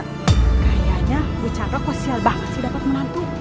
kayaknya bu chandra kok sial banget sih dapat menantu